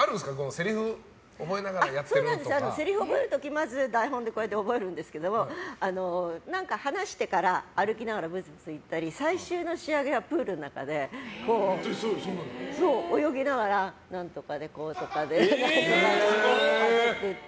せりふを覚えながらせりふ覚える時はまず台本で覚えるんですけど話してから歩きながら、ぶつぶつ言ったり最終の仕上げはプールの中で泳ぎながら何とかでこうとかでって言って。